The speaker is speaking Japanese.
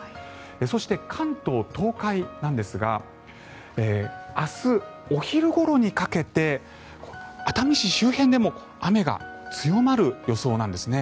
そして、関東、東海なんですが明日、お昼ごろにかけて熱海市周辺でも雨が強まる予想なんですね。